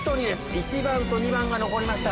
１番と２番が残りました。